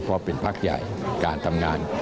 เพราะเป็นพักใหญ่การทำงาน